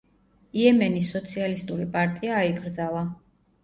იემენის სოციალისტური პარტია აიკრძალა.